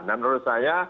dan menurut saya